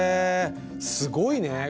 すごいね！